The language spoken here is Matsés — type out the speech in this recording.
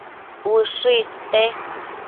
Ushë iste